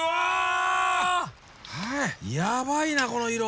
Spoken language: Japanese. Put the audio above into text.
ヤバいなこの色。